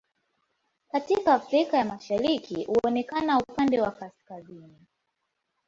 Katika Afrika ya Mashariki huonekana upande wa kaskazini.